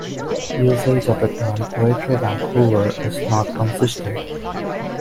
Usage of the term "Greater Vancouver" is not consistent.